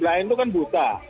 blind itu kan buta